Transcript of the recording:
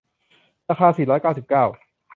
ราคา สี่ร้อยเก้าสิบเก้า